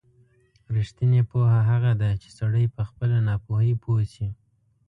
رښتینې پوهه هغه ده چې سړی په خپله ناپوهۍ پوه شي.